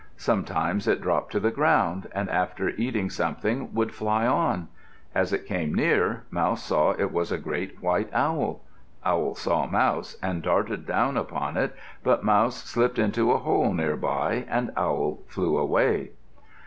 Sometimes it dropped to the ground, and after eating something would fly on. As it came near, Mouse saw it was a great white owl. Owl saw Mouse and darted down upon it, but Mouse slipped into a hole nearby and Owl flew away.